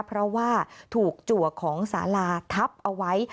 เพราะว่าถูกจัวของสาลาทับเอาไว้